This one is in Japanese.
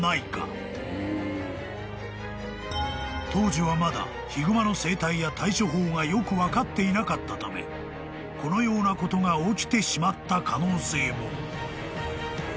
［当時はまだヒグマの生態や対処法がよく分かっていなかったためこのようなことが起きてしまった可能性も］